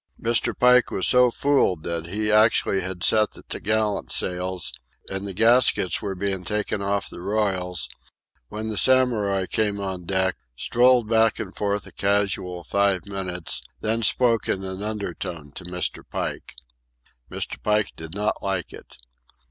Mr. Pike was so fooled that he actually had set the topgallant sails, and the gaskets were being taken off the royals, when the Samurai came on deck, strolled back and forth a casual five minutes, then spoke in an undertone to Mr. Pike. Mr. Pike did not like it.